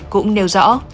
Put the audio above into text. cũng nêu rõ